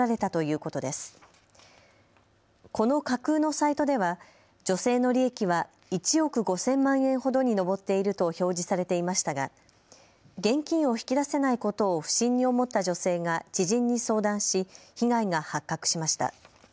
この架空のサイトでは女性の利益は１億５０００万円ほどに上っていると表示されていましたが現金を引き出せないことを不審に思った女性が知人に相談し被害が発覚しました。